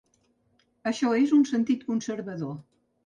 Això és un sentit conservador.